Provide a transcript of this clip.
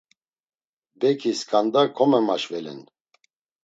Beki skanda komemaşvelen.